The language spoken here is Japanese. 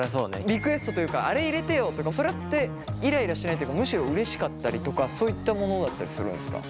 リクエストというかあれ入れてよとかそれってイライラしないっていうかむしろうれしかったりとかそういったものだったりするんですか？